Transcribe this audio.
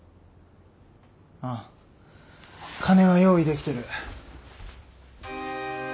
ああ金は用意できてる。